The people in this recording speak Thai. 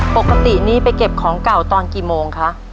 ปกตินี้ไปเก็บของเก่าตอนกี่โมงคะ